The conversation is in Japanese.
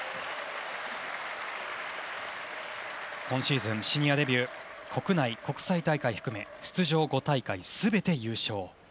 今シーズン、シニアデビュー国内、国際大会含め出場５大会すべて優勝。